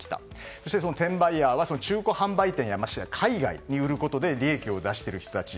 そして、転売ヤーは中古販売店や海外に売ることで利益を出している人たち。